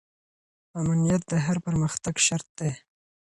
امنیت د هر پرمختګ شرط دی.